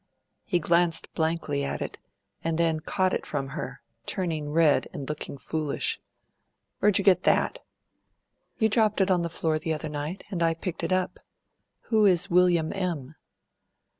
He glanced blankly at it and then caught it from her, turning red and looking foolish. "Where'd you get that?" "You dropped it on the floor the other night, and I picked it up. Who is 'Wm. M.'?"